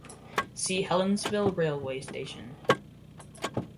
See Helensville railway station.